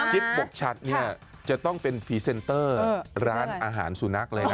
บกชัดเนี่ยจะต้องเป็นพรีเซนเตอร์ร้านอาหารสุนัขเลยนะ